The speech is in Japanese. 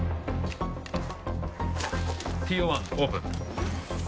ＴＯ１オープン